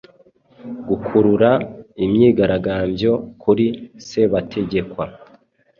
Gukurura imyigaragambyo kuri sebategekwa